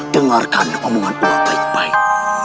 dengarkan omongan uang baik baik